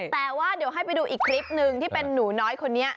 แต่ว่าเดี๋ยวให้ไปดูอีกคลิปหนึ่งที่เป็นหนูน้อยคนนี้